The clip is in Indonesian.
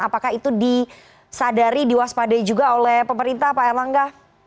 apakah itu disadari diwaspadai juga oleh pemerintah pak erlangga